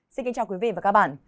xin kính chào quý vị và các bạn